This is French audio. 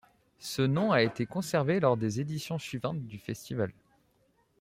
Ce nom a été conservé lors des éditions suivantes du festival.